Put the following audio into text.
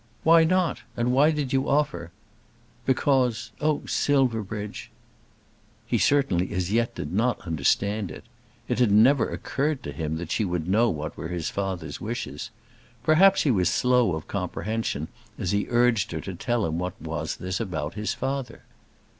"Why not? And why did you offer?" "Because Oh, Silverbridge." He certainly as yet did not understand it. It had never occurred to him that she would know what were his father's wishes. Perhaps he was slow of comprehension as he urged her to tell him what this was about his father.